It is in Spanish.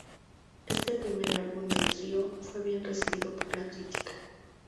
Este primer álbum del trío fue bien recibido por la crítica.